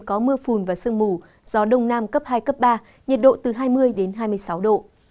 có mưa phùn và sương mù gió đông nam cấp hai cấp ba nhiệt độ từ hai mươi hai mươi sáu độ